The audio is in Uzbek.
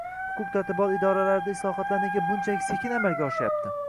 huquq-tartibot idoralarida islohotlar nega buncha sekin amalga oshyapti?